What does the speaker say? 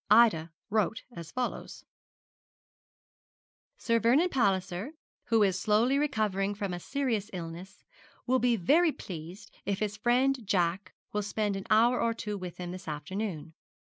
Ida wrote as follows: 'Sir Vernon Palliser, who is slowly recovering from a serious illness, will be very pleased if his friend Jack will spend an hour or two with him this afternoon.